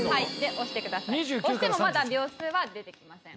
押してもまだ秒数は出てきません。